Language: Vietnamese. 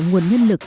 nguồn nhân lực